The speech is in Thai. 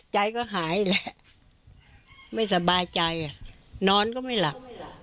ใจก็หายแหละไม่สบายใจนอนก็ไม่หลับ